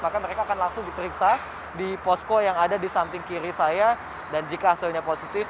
maka mereka akan langsung diperiksa di posko yang ada di samping kiri saya dan jika hasilnya positif